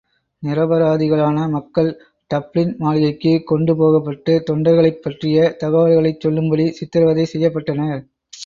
நிரபராதிகளான மக்கள் டப்ளின் மாளிகைக்கு கொண்டுபோகபட்டு, தொண்டர்களைப் பற்றிய தகவல்களைச் சொல்லும்படி சித்திரவதை செய்யப்பட்டனர்.